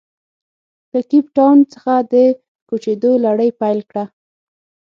له کیپ ټاون څخه د کوچېدو لړۍ پیل کړه.